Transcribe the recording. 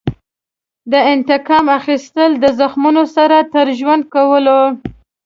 د انتقام اخیستل د زخمونو سره تر ژوند کولو.